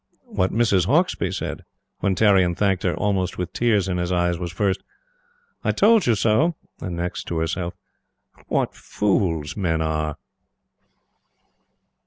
What Mrs. Hauksbee said, when Tarrion thanked her, almost with tears in his eyes, was first: "I told you so!" and next, to herself: "What fools men are!"